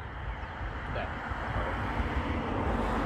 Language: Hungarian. De, akarok.